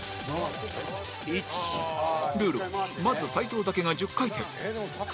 ルールはまず斉藤だけが１０回転